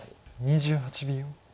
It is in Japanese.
２８秒。